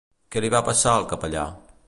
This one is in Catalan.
Què li va passar al capellà?